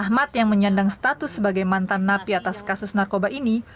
ahmad yang menyandang status sebagai mantan napi atas kasus narkoba ini